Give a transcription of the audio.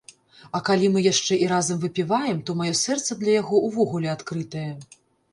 А калі мы яшчэ і разам выпіваем, то маё сэрца для яго ўвогуле адкрытае.